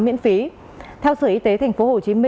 miễn phí theo sở y tế tp hcm